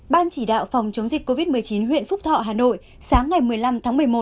ban chỉ đạo phòng chống dịch covid một mươi chín huyện phúc thọ hà nội sáng ngày một mươi năm tháng một mươi một